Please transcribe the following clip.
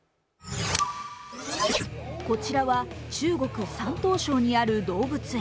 こちらは中国・山東省にある動物園。